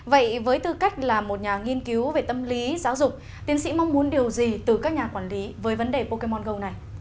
vậy với tư cách là một nhà nghiên cứu về tâm lý giáo dục tiến sĩ mong muốn điều gì từ các nhà quản lý với vấn đề pokemongo này